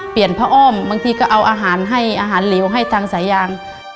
พระอ้อมบางทีก็เอาอาหารให้อาหารเหลวให้ทางสายยาง